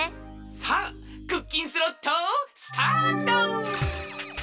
さあクッキンスロットスタート！